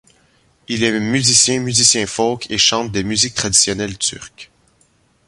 Il est musicien musicien folk et chante des musiques traditionnelles turc.